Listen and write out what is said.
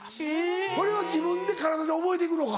それを自分で体で覚えて行くのか。